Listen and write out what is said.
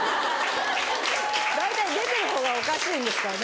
大体出てるほうがおかしいんですからね。